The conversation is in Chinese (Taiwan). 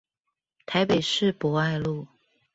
台北市博愛路